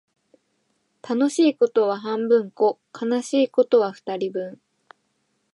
楽しいことは半分こ、悲しいことは二人分